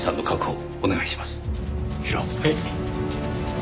はい。